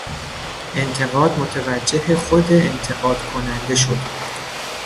انتقاد متوجه خود انتقاد کننده شد.